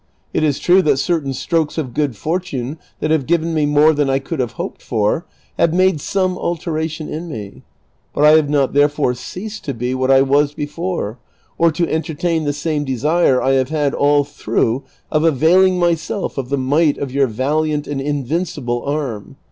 It is true that certain strokes of good fortune, that have given nie more than I coidd have hoped for, have made some altera tion in me ; but I have not therefore ceased to be what I was before, or to entertain the same desire I have had all through of availing myself of the might of your valiant and invincil)le arm.